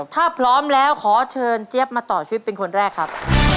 ถ้าพร้อมแล้วขอเชิญเจี๊ยบมาต่อชีวิตเป็นคนแรกครับ